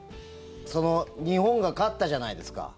日本が勝ったじゃないですか。